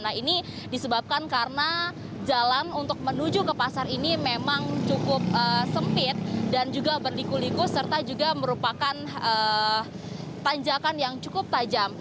nah ini disebabkan karena jalan untuk menuju ke pasar ini memang cukup sempit dan juga berliku liku serta juga merupakan tanjakan yang cukup tajam